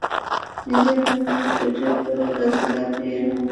নিজের আঙিনায় দুটি করে গাছ লাগিয়ে মাকে রক্ষার দায়িত্বটা শুরু করব।